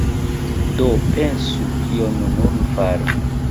Do pensu, kion nun fari.